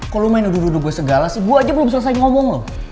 kok lo main uduh uduh gue segala sih gue aja belum selesai ngomong loh